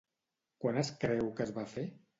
Quan es creu que es va fer?